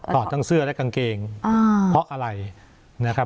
อดทั้งเสื้อและกางเกงเพราะอะไรนะครับ